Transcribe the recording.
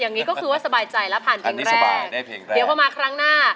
อย่างงี้ก็คือว่าสบายใจแล้วผ่านเพลงแรกอันนี้สบายได้เพลงแรกเดี๋ยวพอมาครั้งหน้า